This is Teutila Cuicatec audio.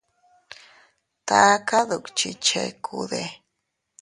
¿Taka dukchi chekude?